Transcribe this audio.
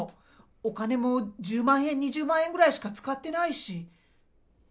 お金も１０万、２０万円ぐらいしか使ってないし。